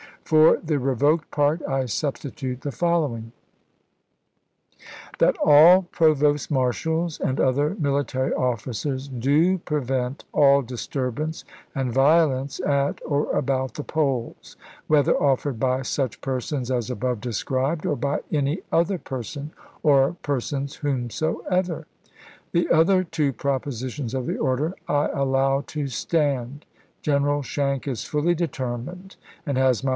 For the revoked part I substitute the following: " That all provost marshals and other military officers do prevent all disturbance and violence at or about the polls, whether offered by such persons as above described, or by any other person or persons whomsoever." The other two propositions of the order I allow to Lincoln to staud. General Schenck is fully determined, and has my myv^A^.